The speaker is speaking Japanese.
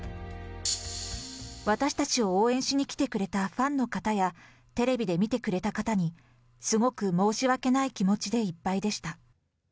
私たちを応援しに来てくれたファンの方や、テレビで見てくれた方に、すごく申し訳ない気持ちでいっぱいでした。